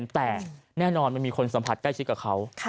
แต่แน่นอนมันมีคนสัมผัสใกล้ชิดกับเขา